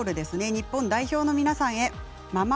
日本代表の皆さんへ。